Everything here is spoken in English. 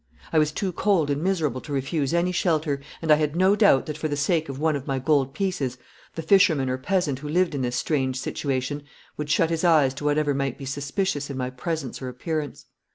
I was too cold and miserable to refuse any shelter, and I had no doubt that for the sake of one of my gold pieces the fisherman or peasant who lived in this strange situation would shut his eyes to whatever might be suspicious in my presence or appearance.